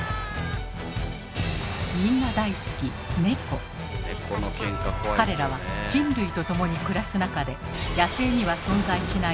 みんな大好き彼らは人類と共に暮らす中で野生には存在しない